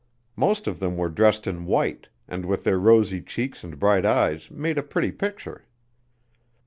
Most of them were dressed in white, and with their rosy cheeks and bright eyes made a pretty picture.